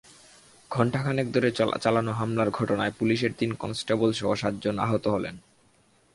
ঘণ্টা খানেক ধরে চালানো হামলার ঘটনায় পুলিশের তিন কনস্টেবলসহ সাতজন আহতও হলেন।